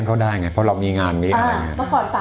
แล้วได้ไงเพราะเรามีงานมีอะไรไง